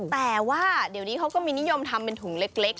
แต่ว่าเดี๋ยวนี้เขาก็มีนิยมทำเป็นถุงเล็ก